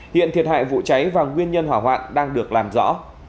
hiện thiệt hại vụ cháy và nguyên nhân hỏa hoạn đang được làm rõ